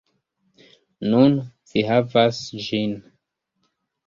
Nun, vi havas ĝin.